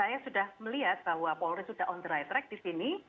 saya sudah melihat bahwa polri sudah on the right track di sini